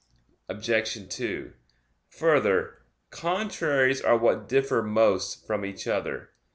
Obj. 2: Further, contraries are what differ most from each other.